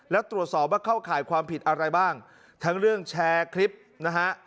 แล้วตรวจสอบว่าเข้าข่ายความผิดอะไรบ้างทั้งเรื่องแชร์คลิปนะฮะ